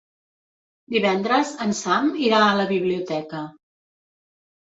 Divendres en Sam irà a la biblioteca.